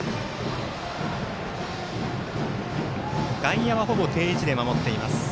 外野はほぼ定位置で守っています。